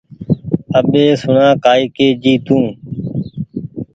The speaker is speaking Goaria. اٻي سوڻا ڪآئي ڪي جي تو